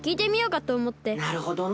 なるほどの。